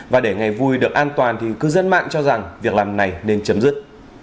và để ngày vui được an toàn thì cư dân mạng cho rằng việc làm này nên chấm dứt